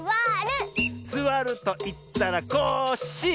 「すわるといったらコッシー！」